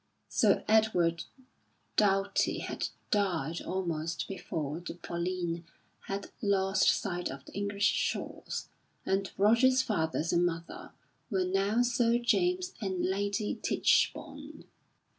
Sir Edward Doughty had died almost before the Pauline had lost sight of the English shores; and Roger's father and mother were now Sir James and Lady Tichborne.